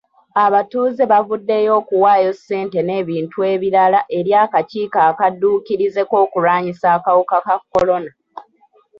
Abatuuze bavuddeyo okuwayo ssente n'ebintu ebirala eri akakiiko akadduukirize k'okulwanyisa akawuka ka kolona.